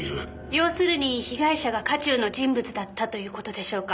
要するに被害者が渦中の人物だったという事でしょうか。